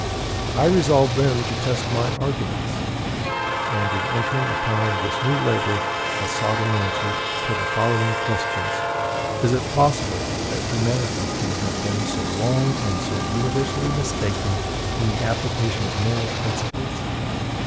I resolved then to test my arguments; and in entering upon this new labor I sought an answer to the following questions: Is it possible that humanity can have been so long and so universally mistaken in the application of moral principles?